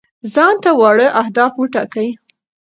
ځان ته واړه اهداف وټاکئ.